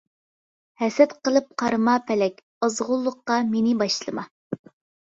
ھەسەت قىلىپ قارىما پەلەك، ئازغۇنلۇققا مېنى باشلىما.